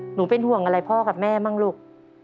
หนูเป็นห่วงอะไรพ่อกับแม่บ้างลูก